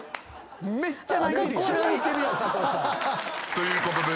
ということで。